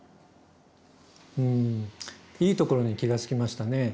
いいところに気がつきましたね。